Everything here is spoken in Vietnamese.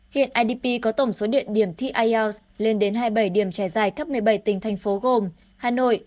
hiện idp có tổng số điện điểm thi ielts lên đến hai mươi bảy điểm trải dài khắp một mươi bảy tỉnh thành phố gồm hà nội